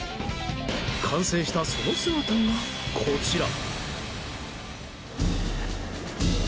完成した、その姿がこちら。